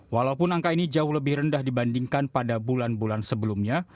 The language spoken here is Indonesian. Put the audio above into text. walaupun angka ini jauh lebih rendah dibandingkan pada bulan bulan sebelumnya